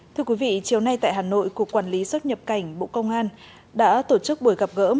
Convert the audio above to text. thưa quý vị chiều nay tại hà nội cục quản lý xuất nhập cảnh bộ công an đã tổ chức buổi gặp gỡ